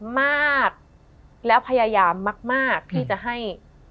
มากแล้วพยายามมากที่จะให้